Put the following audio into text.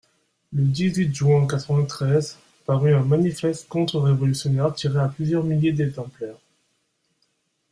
Le dix-huit juin quatre-vingt-treize, parut un manifeste contre-révolutionnaire tiré à plusieurs milliers d'exemplaires.